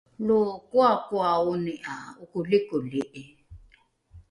lo koakoaoni ’a okolikoli’i